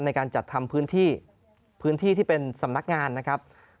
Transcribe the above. ในการจัดทำพื้นที่พื้นที่ที่เป็นสำนักงานนะครับ